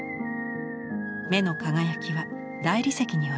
目の輝きは大理石によるもの。